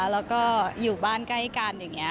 แล้วก็อยู่บ้านใกล้กันอย่างนี้